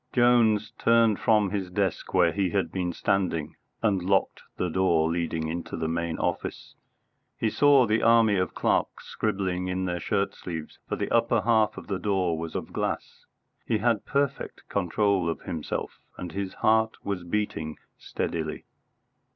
Jones turned from his desk where he had been standing, and locked the door leading into the main office. He saw the army of clerks scribbling in their shirt sleeves, for the upper half of the door was of glass. He had perfect control of himself, and his heart was beating steadily.